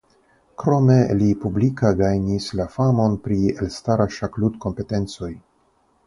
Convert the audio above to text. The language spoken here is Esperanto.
Krome li publika gajnis la famon pri elstara ŝakludkompetencoj.